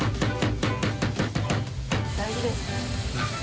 大事です。